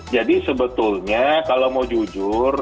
jadi sebetulnya kalau mau jujur